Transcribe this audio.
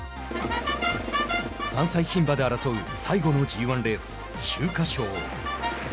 ３歳ひん馬で争う最後のＧ１レース秋華賞。